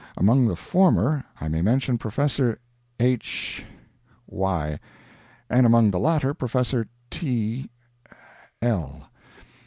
Among the former I may mention Prof. H y; and among the latter Prof. T l.